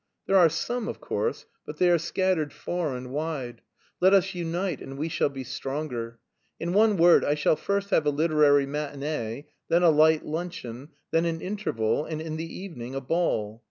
There are some, of course, but they are scattered far and wide. Let us unite and we shall be stronger. In one word, I shall first have a literary matinée, then a light luncheon, then an interval, and in the evening a ball.